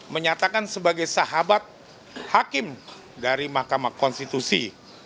menyatakan sebagai sahabat hakim dari mahkamah konstitusi